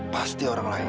pasti orang lain